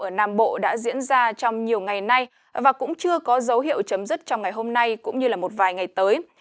ở nam bộ đã diễn ra trong nhiều ngày nay và cũng chưa có dấu hiệu chấm dứt trong ngày hôm nay cũng như một vài ngày tới